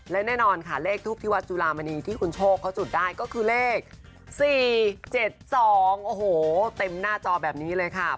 และแน่นอนค่ะเลขทูปที่วัดจุลามณีที่คุณโชคเขาจุดได้ก็คือเลข๔๗๒โอ้โหเต็มหน้าจอแบบนี้เลยค่ะ